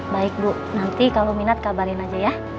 baik bu nanti kalau minat kabarin aja ya